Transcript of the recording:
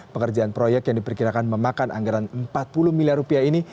pekerjaan proyek yang diperkirakan memakan anggaran empat puluh miliar rupiah ini